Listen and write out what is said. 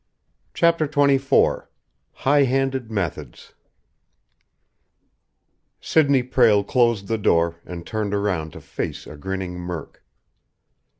CHAPTER XXIV HIGH HANDED METHODS Sidney Prale closed the door and turned around to face a grinning Murk.